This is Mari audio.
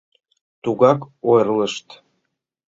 Тугак ойырлышт...